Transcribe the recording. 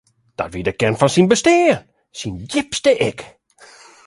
Dat wie de kearn fan syn bestean, syn djipste ik.